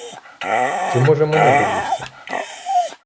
Чи, може, мене боїшся?